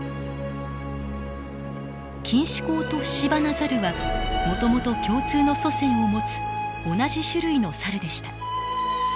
キンシコウとシシバナザルはもともと共通の祖先を持つ同じ種類のサルでした。